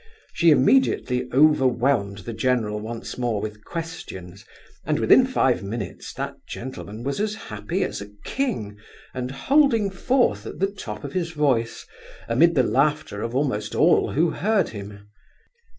She immediately overwhelmed the general once more with questions, and within five minutes that gentleman was as happy as a king, and holding forth at the top of his voice, amid the laughter of almost all who heard him.